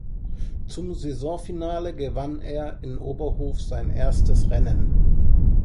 Zum Saisonfinale gewann er in Oberhof sein erstes Rennen.